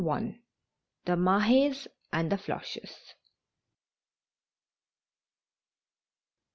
THE MAHES AND THE FLOCHES.